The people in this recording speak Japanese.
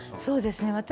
そうですね